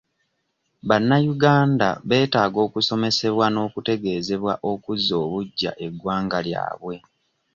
Bannayuganda betaaga okusomesebwa nokutegezebwa okuzza obuggya eggwanga lyabwe.